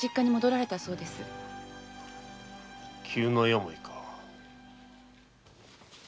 急な病か。